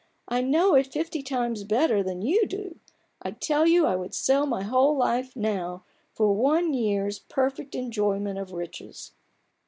" I know it fifty times better than you do ! I tell you I would sell my whole life now, for one year's perfect enjoyment of riches."